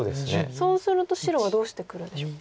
そうすると白はどうしてくるんでしょう？